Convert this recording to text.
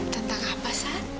tentang apa sat